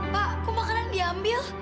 pak kok makanan diambil